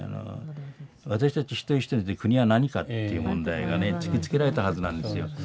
私たち一人一人にとって国は何かっていう問題がね突きつけられたはずなんですよ。